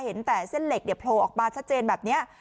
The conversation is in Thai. เห็นแต่เส้นเหล็กเนี่ยโผล่ออกมาชัดเจนแบบนี้